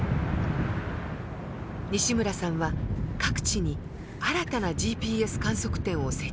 西村さんは各地に新たなＧＰＳ観測点を設置してきました。